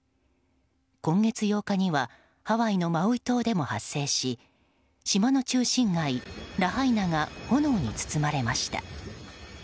今月８日にはハワイのマウイ島でも発生し島の中心街ラハイナが炎に包まれました。